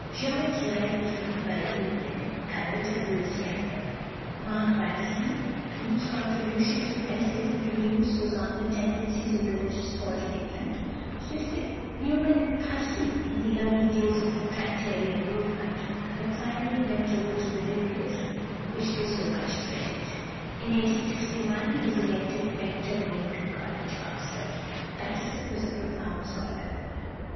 Jowett's life was written by Evelyn Abbott and Lewis Campbell. =Mark Pattison (1813 1884)=, whose contribution to "Essays and Reviews" was on "The Tendencies of Religious Thought in England," assisted Newman and Pusey in the early days of the Tractarian movement, but finally went over to the Liberalism which they so much dreaded. In 1861 he was elected Rector of Lincoln College, Oxford. Pattison was a profound scholar.